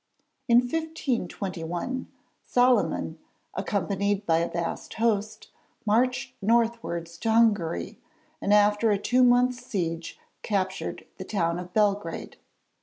In 1521, Solyman, accompanied by a vast host, marched northwards to Hungary, and after a two months' siege captured the town of Belgrade.